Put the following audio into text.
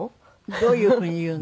どういうふうに言うの？